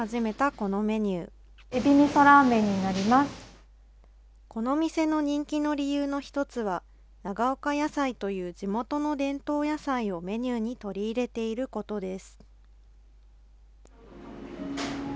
この店の人気の理由の１つは、長岡野菜という地元の伝統野菜をメニューに取り入れていることです。